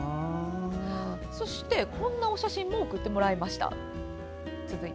こんなお写真も送ってもらいました。